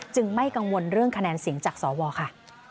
ไม่กังวลเรื่องคะแนนเสียงจากสวค่ะ